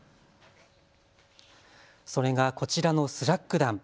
それがこちらのスラッグ弾。